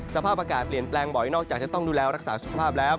สภาพอากาศเปลี่ยนแปลงบ่อยนอกจากจะต้องดูแลรักษาสุขภาพแล้ว